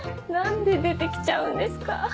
何で出て来ちゃうんですか？